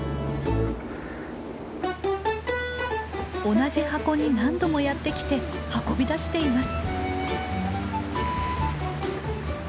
同じ箱に何度もやって来て運び出しています。